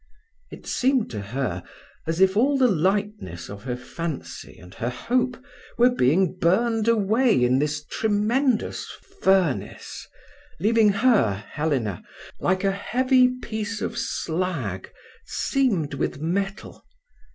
It seemed to her as if all the lightness of her fancy and her hope were being burned away in this tremendous furnace, leaving her, Helena, like a heavy piece of slag seamed with metal.